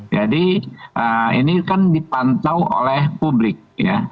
jadi ini kan dipantau oleh publik ya